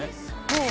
もう